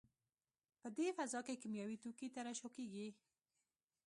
په دې فضا کې کیمیاوي توکي ترشح کېږي.